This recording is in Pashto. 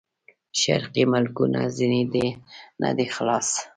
شرقي ملکونه ځنې نه دي خلاص.